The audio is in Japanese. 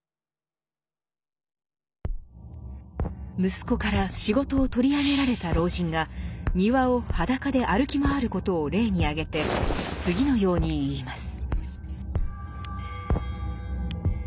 息子から仕事を取り上げられた老人が庭を裸で歩き回ることを例に挙げて次のように言います。